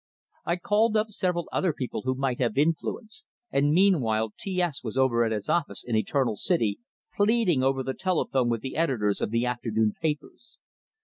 I called up several other people who might have influence; and meanwhile T S was over at his office in Eternal City, pleading over the telephone with the editors of afternoon papers.